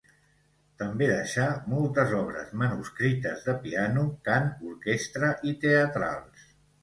També deixà moltes obres manuscrites de piano, cant, orquestra i teatrals.